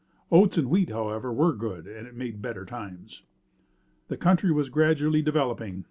Oats and wheat however were good and it made better times. The country was gradually developing.